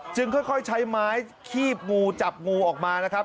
ค่อยใช้ไม้คีบงูจับงูออกมานะครับ